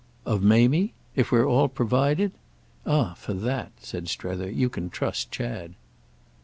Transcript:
"Of Mamie—if we're all provided? Ah for that," said Strether, "you can trust Chad."